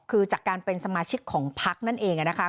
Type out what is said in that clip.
คือจากการเป็นสมาชิกของพักนั่นเองนะคะ